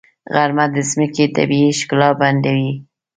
غرمه د ځمکې طبیعي ښکلا بربنډوي.